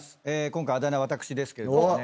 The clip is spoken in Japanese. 今回あだ名私ですけれどもね。